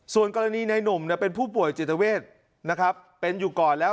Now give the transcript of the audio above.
ส่วนกรณีในหนุ่มเป็นผู้ป่วยจิตเวทนะครับเป็นอยู่ก่อนแล้ว